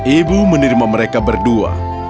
ibu menirma mereka berdua